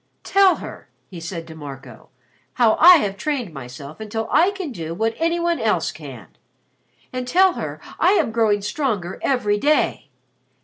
"Tell her," he said to Marco, "how I have trained myself until I can do what any one else can. And tell her I am growing stronger every day.